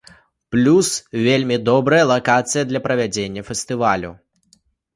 Плюс, вельмі добрая лакацыя для правядзення фестывалю.